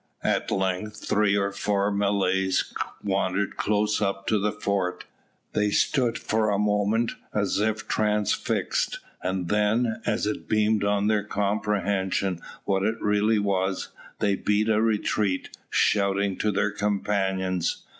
At length three or four Malays wandered close up to the fort. They stood for a moment as if transfixed, and then, as it beamed on their comprehension what it really was, they beat a retreat, shouting to their companions.